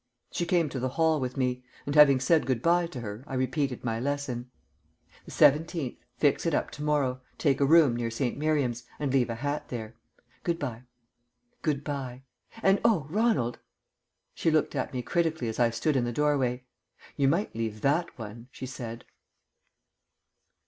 She came to the hall with me; and, having said good bye to her, I repeated my lesson. "The seventeenth, fix it up to morrow, take a room near St. Miriam's, and leave a hat there. Good bye." "Good bye.... And oh, Ronald!" She looked at me critically as I stood in the doorway. "You might leave that one," she said.